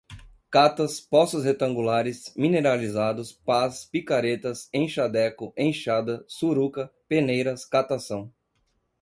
catas, poços retangulares, mineralizados, pás, picaretas, enxadeco, enxada, suruca, peneiras, catação